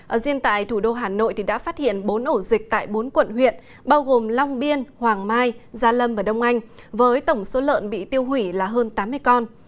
ở riêng tại thủ đô hà nội đã phát hiện bốn ổ dịch tại bốn quận huyện bao gồm long biên hoàng mai gia lâm và đông anh với tổng số lợn bị tiêu hủy là hơn tám mươi con